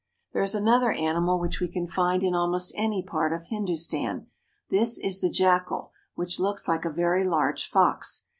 There is another animal which we can find in almost any part of Hindustan. This is the jackal, which looks like a very large fox.